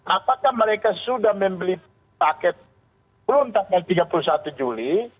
apakah mereka sudah membeli paket belum tanggal tiga puluh satu juli